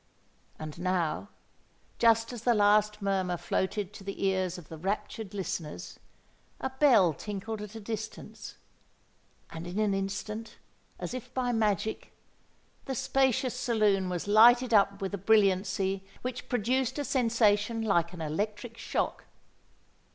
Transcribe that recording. And now, just as the last murmur floated to the ears of the raptured listeners, a bell tinkled at a distance; and in an instant—as if by magic—the spacious saloon was lighted up with a brilliancy which produced a sensation like an electric shock.